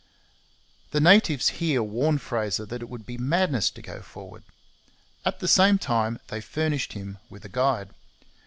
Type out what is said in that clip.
The natives here warned Fraser that it would be madness to go forward. At the same time they furnished him with a guide.